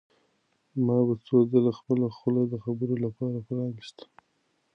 ما به څو ځله خپله خوله د خبرو لپاره پرانیسته.